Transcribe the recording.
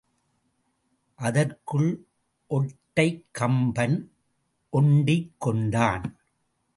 அதற்குள் ஒட்டடைக்கம்பன் ஒண்டிக் கொண்டான்.